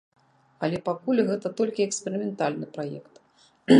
Але пакуль гэта толькі эксперыментальны праект.